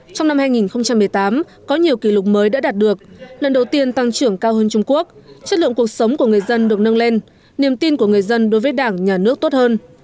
trong năm hai nghìn một mươi tám có nhiều kỷ lục mới đã đạt được lần đầu tiên tăng trưởng cao hơn trung quốc chất lượng cuộc sống của người dân được nâng lên niềm tin của người dân đối với đảng nhà nước tốt hơn